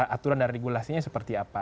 aturan dan regulasinya seperti apa